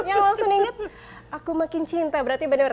yang langsung inget aku makin cinta berarti benar